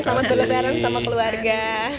selamat berlebaran sama keluarga